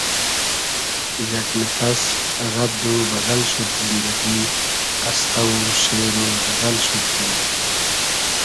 یئگ نفس رئد و بئدئل شود زیندئگی قستۂ و شېر و غئزئل شود زیندئگی